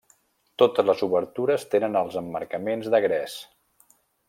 Totes les obertures tenen els emmarcaments de gres.